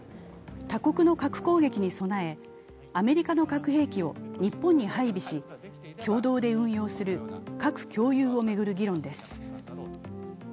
他国の核攻撃に備え、アメリカの核兵器を日本に配備し共同で運用する核共有を巡る議論です。